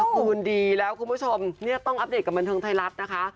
คืนดีแล้วคุณผู้ชมเนี่ยต้องอัปเดตกับบันเทิงไทยรัฐนะคะ